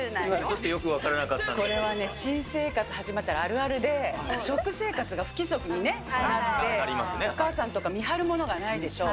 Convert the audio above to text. ちょっとよく分からなかったこれはね、新生活始まったらあるあるで、食生活が不規則になって、お母さんとか見張るものがないでしょう。